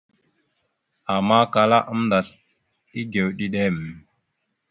Ama kala aməndasl egew ɗiɗem.